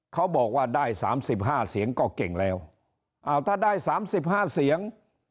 เขาบอกว่าได้สามสิบห้าเสียงก็เก่งแล้วอ้าวถ้าได้๓๕เสียง